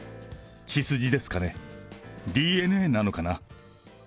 血筋ですかね、ＤＮＡなのかな。